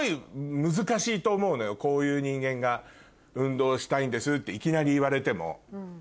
こういう人間が運動したいんですっていきなり言われても。